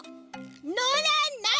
「の」らない！